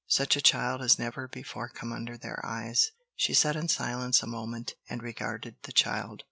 Such a child has never before come under their eyes." She sat in silence a moment and regarded the child.